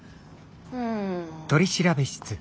うん。